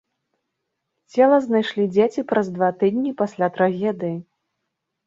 Цела знайшлі дзеці праз два тыдні пасля трагедыі.